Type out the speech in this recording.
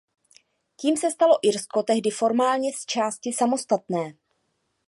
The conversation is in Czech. Tím se stalo Irsko tehdy formálně zčásti samostatné.